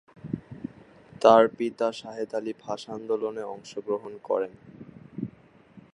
তার পিতা শাহেদ আলী ভাষা আন্দোলনে অংশগ্রহণ করেন।